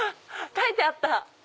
書いてあった。